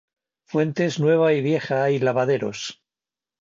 Fuentes, nueva y vieja, y lavaderos.